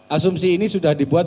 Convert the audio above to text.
asumsi ini sudah dibuat